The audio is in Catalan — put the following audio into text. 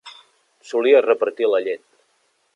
Solia repartir la llet.